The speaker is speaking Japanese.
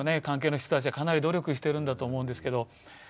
関係の人たちはかなり努力してるんだと思うんですけど。